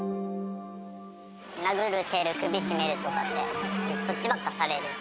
殴る、蹴る、首絞める、そっちばっかされる。